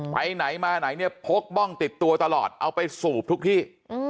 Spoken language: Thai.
ไปไหนมาไหนเนี่ยพกบ้องติดตัวตลอดเอาไปสูบทุกที่